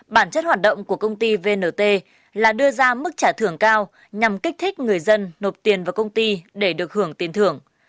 bản chất hoạt động của công ty vnt là đưa ra mức trả thưởng cao nhằm kích thích người dân nộp tiền vào công ty để được hưởng tiền thưởng